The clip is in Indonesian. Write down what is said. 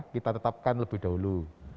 kita tetapkan lebih dahulu